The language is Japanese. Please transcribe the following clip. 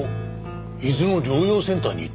伊豆の療養センターにいた。